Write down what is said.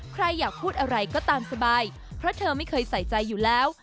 ใครอยากพูดอะไรก็ตามสบายเพราะเธอไม่เคยใส่ใจอยู่แล้ว